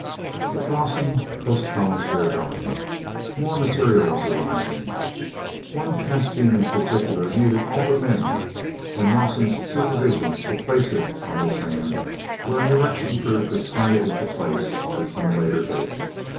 But Rawson postponed their going. More material was arriving; one casting in particular needed all the men and Rawson's supervision to place it on the sand where an erection crew could swing it into place at some later date.